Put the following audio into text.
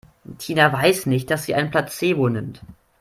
Tina weiß nicht, dass sie ein Placebo nimmt.